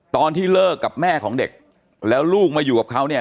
ตอนที่เลิกกับแม่ของเด็กแล้วลูกมาอยู่กับเขาเนี่ย